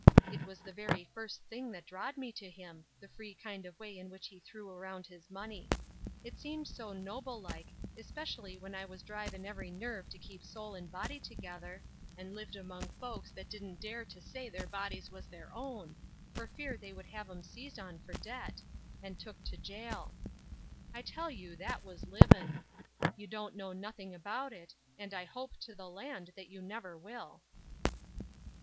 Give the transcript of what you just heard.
It was the very first thing that drawed me to him — the free kind of way in which he threw around his money. It seemed so noble like, specially when I was diivin' every nerve to keep soul and body together, and lived among folks that didn't dare to say their bodies was their own, for fear they would have 'em seized on for debt, and 64 Ruth Ershine's Crosses. took to jail. I tell you that was livm' ! You don't know nothing about it, and I hope to the land that jou never will.''